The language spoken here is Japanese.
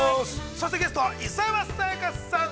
◆そしてゲストは、磯山さやかさん。